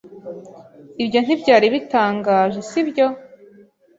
Ibyo ntibyari bitangaje, si byo?